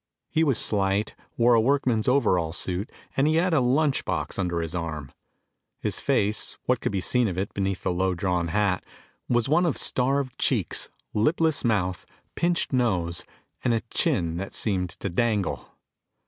He was slight, wore a workman's overall suit, and he had a lunch box under his arm. His face, what could be seen of it beneath the low drawn hat, was one of starved cheeks, lipless mouth, pinched nose, and a chin that seemed to dangle.